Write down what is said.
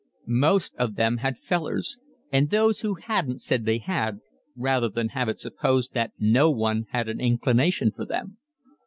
Most of them had 'fellers,' and those who hadn't said they had rather than have it supposed that no one had an inclination for them.